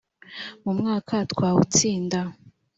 mu mwaka ntawutsinda.